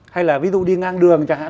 hay là ví dụ đi ngang đường chẳng hạn